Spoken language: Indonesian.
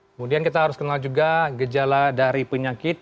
kemudian kita harus kenal juga gejala dari penyakit